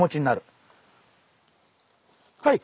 はい！